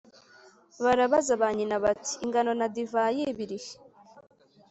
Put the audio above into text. Barabaza ba nyina, bati «Ingano na divayi biri he?»